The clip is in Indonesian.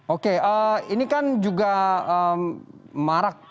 oke ini kan juga marak